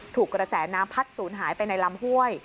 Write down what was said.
ถูกกระแสน้ำพัดศูนย์หายไปในลำห้วย